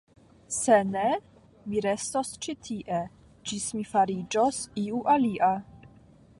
Se ne, mi restos ĉi tie, ĝis mi fariĝos iu alia.